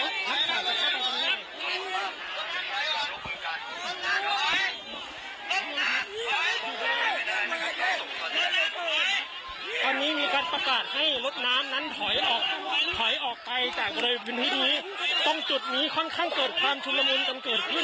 ตอนนี้มีการประกาศให้รถน้ำนั้นถอยออกถอยออกไปจากบริเวณพื้นที่นี้ตรงจุดนี้ค่อนข้างเกิดความชุนละมุนกันเกิดขึ้น